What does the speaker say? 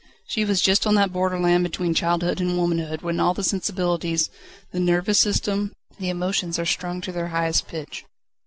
She was just on that borderland between childhood and womanhood when all the sensibilities, the nervous system, the emotions, are strung to their highest pitch.